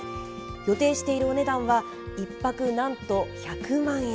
予定しているお値段は１泊なんと１００万円。